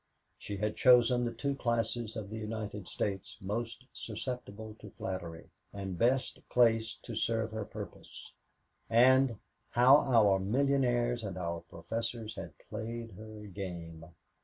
She had chosen the two classes of the United States most susceptible to flattery, and best placed to serve her purpose. And, how our millionaires and our professors had played her game!